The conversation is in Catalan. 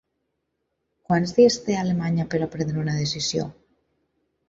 Quants dies té Alemanya per a prendre una decisió?